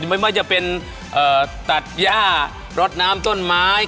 ไม่ว่าจะเป็นตัดย่ารดน้ำต้นไม้